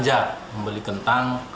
belanja membeli kentang